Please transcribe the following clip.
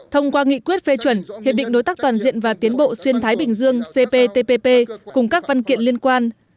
thông qua nghị quyết phê chuẩn hiệp định đối tác toàn diện và tiến bộ xuyên thái bình dương cptpp cùng các văn kiện liên quan